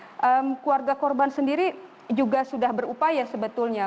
keluarga korban sendiri juga sudah berupaya sebetulnya